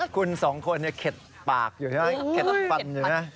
คุณสองคนเนี่ยเข็ดปากอยู่นะเข็ดปันอยู่นะ